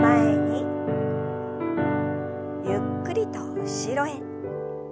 ゆっくりと後ろへ。